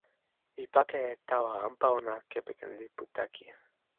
mi pake e tawa anpa ona kepeken lipu taki.